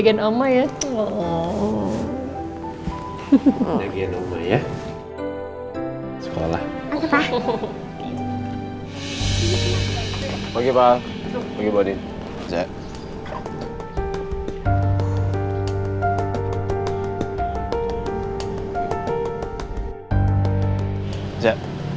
jangan jagain oma